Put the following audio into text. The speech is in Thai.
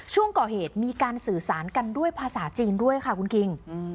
ช่วงก่อเหตุมีการสื่อสารกันด้วยภาษาจีนด้วยค่ะคุณคิง